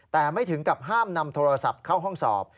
แต่ไม่ถึงกับห้ามนำโทรศัพท์เข้าห้องสอบ